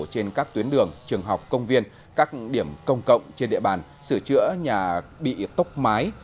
trên các tuyến đường trường học công viên các điểm công cộng trên địa bàn sửa chữa nhà bị tốc mái